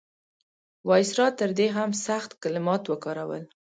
وایسرا تر دې هم سخت کلمات وکارول.